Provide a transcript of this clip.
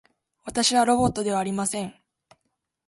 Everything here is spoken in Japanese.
私はロボットではありません